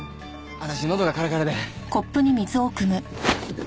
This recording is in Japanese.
私のどがカラカラで。